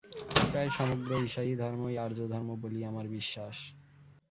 প্রায় সমগ্র ঈশাহি-ধর্মই আর্যধর্ম বলিয়া আমার বিশ্বাস।